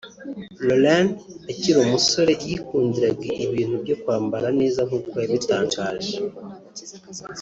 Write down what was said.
Lauren akiri umusore yikundiraga ibintu byo kwambara neza nk’uko yabitangaje